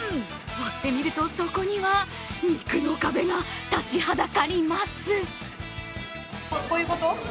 割ってみると、そこには肉の壁が立ちはだかります。